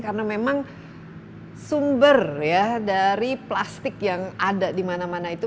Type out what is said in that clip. karena memang sumber ya dari plastik yang ada di mana mana itu